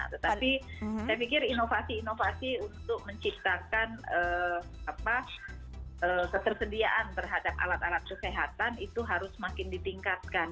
tetapi saya pikir inovasi inovasi untuk menciptakan ketersediaan terhadap alat alat kesehatan itu harus semakin ditingkatkan